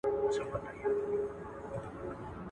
افغان حکومت د نړیوالو محکمو پريکړو ته بې احترامي نه کوي.